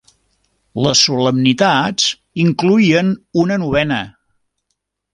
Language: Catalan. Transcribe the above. Les solemnitats incloïen una novena.